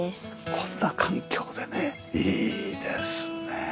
こんな環境でねいいですねえ。